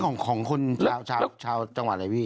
อันนี้ของคนชาวจังหวัดไหนพี่